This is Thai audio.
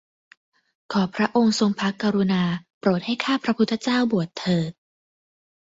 ขอพระองค์ทรงพระกรุณาโปรดให้ข้าพระพุทธเจ้าบวชเถิด